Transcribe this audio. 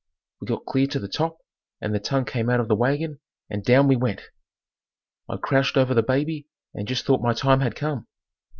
We got clear to the top and the tongue came out of the wagon and down we went! I crouched over the baby and just thought my time had come.